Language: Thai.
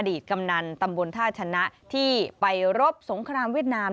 ตกำนันตำบลท่าชนะที่ไปรบสงครามเวียดนาม